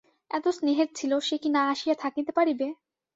এত স্নেহের ছিল, সে কি না আসিয়া থাকিতে পারিবে!